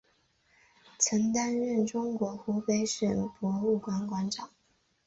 曾担任中国湖北省博物馆馆长。